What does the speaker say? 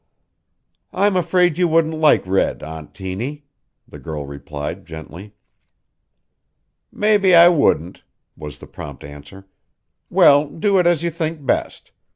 "I'm afraid you wouldn't like red, Aunt Tiny," the girl replied gently. "Mebbe I wouldn't," was the prompt answer. "Well, do it as you think best.